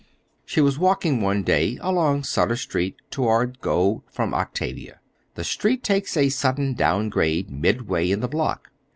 She was walking one day along Sutter Street toward Gough from Octavia. The street takes a sudden down grade midway in the block.